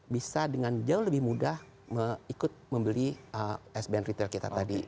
bisa dengan jauh lebih mudah ikut membeli sbn retail kita tadi